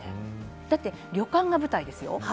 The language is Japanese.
だって旅館が舞台ですよ。